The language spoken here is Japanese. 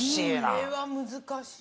これは難しい。